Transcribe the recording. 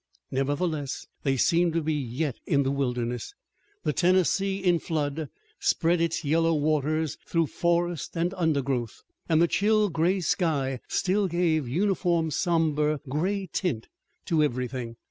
Nevertheless, they seemed to be yet in the wilderness. The Tennessee, in flood, spread its yellow waters through forest and undergrowth, and the chill gray sky still gave a uniform somber, gray tint to everything.